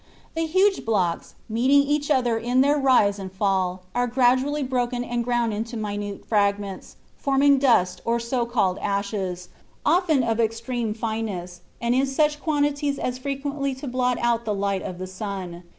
The huge blocks, meeting each other in their rise and fall, are gradually broken and ground into minute fragments, forming dust or so called ashes, often of extreme fineness, and in such quantities as frequently to blot out the light of the sun.